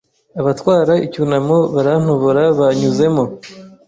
Abatwara icyunamo barantobora banyuzemo